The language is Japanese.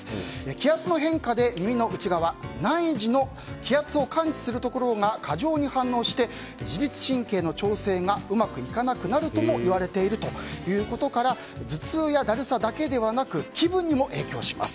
気圧の変化で耳の内側、内耳の気圧を感知するところが過剰に反応して自律神経の調整がうまくいかなくなるともいわれているということから頭痛やだるさだけではなく気分にも影響します。